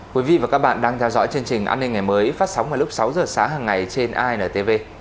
quý vị và các bạn đang theo dõi chương trình an ninh ngày mới phát sóng vào lúc sáu h sáng hằng ngày trên antv